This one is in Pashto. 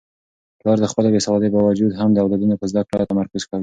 پلار د خپلې بې سوادۍ باوجود هم د اولادونو په زده کړو تمرکز کوي.